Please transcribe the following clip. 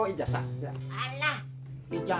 eh ini kita nggak bawa ijazah